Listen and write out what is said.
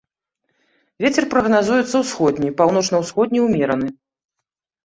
Вецер прагназуецца ўсходні, паўночна-ўсходні ўмераны.